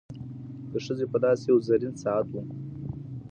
د ښځي په لاس کي یو زرین ساعت و.